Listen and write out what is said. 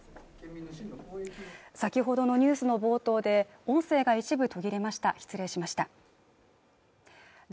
先ほどのニュースの冒頭で音声が一部途切れました失礼しました